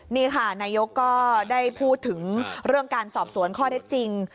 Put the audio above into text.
นี่ค่ะนายกก็ได้พูดถึงเรื่องการสอบสวนข้อเท็จจริง